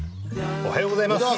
おはようございます。